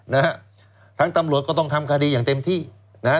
นะฮะทั้งตำรวจก็ต้องทำคดีอย่างเต็มที่นะฮะ